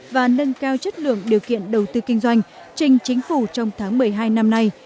và nâng cao chất lượng điều kiện đầu tư kinh doanh trình chính phủ trong tháng một mươi hai năm nay